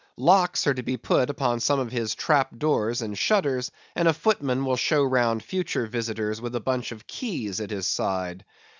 Locks are to be put upon some of his trap doors and shutters; and a footman will show round future visitors with a bunch of keys at his side.